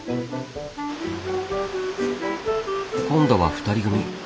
今度は２人組。